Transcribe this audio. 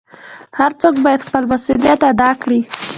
هر څوک بايد خپل مسؤليت ادا کړي .